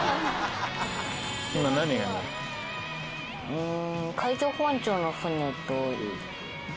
うん。